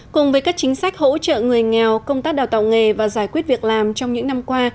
cùng với các chính sách hỗ trợ người nghèo công tác đào tạo nghề và giải quyết việc làm trong những năm qua